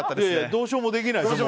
どうしようもできないです。